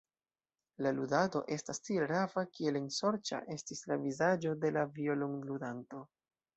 La ludado estis tiel rava, kiel ensorĉa estis la vizaĝo de la violonludanto.